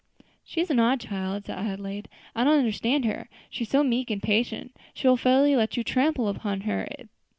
"She is an odd child," said Adelaide; "I don't understand her; she is so meek and patient she will fairly let you trample upon her.